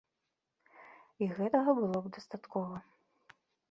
І гэтага было б дастаткова.